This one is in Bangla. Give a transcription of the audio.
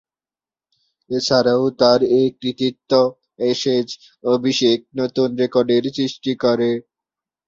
এছাড়াও তার এ কৃতিত্ব অ্যাশেজ অভিষেক নতুন রেকর্ডের সৃষ্টি করে।